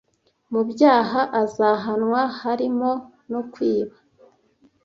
mu byaha azahanwa harimo nokwiba